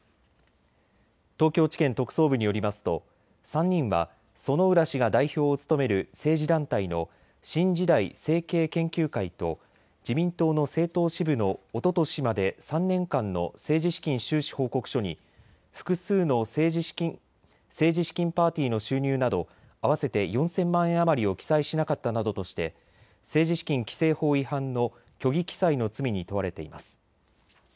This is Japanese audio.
東京地検特捜部によりますと３人は薗浦氏が代表を務める政治団体の新時代政経研究会と自民党の政党支部のおととしまで３年間の政治資金収支報告書に複数の政治資金パーティーの収入など合わせて４０００万円余りを記載しなかったなどとして政治資金規正法違反の虚偽記載の罪に問われています。